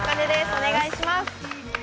お願いします。